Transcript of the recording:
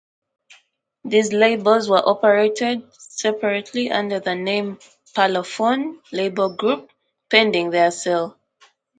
These labels were operated separately under the name "Parlophone Label Group", pending their sale.